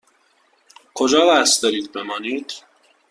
کجا قصد دارید بمانید؟